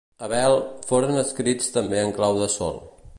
Abel, foren escrits també en clau de sol.